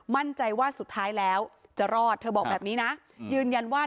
มั่นใจว่าสุดท้ายแล้วจะรอดเธอบอกแบบนี้นะยืนยันว่า